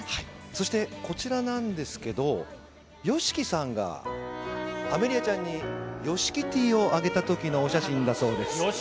そして、こちらなんですけど、ＹＯＳＨＩＫＩさんが、アメリアちゃんにヨシキティーをあげたときのお写真だそうです。